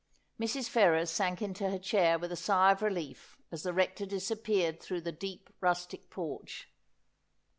Mrs. Ferrers sank into her chair with a sigh of relief as the Rector disappeared through the deep rustic porch.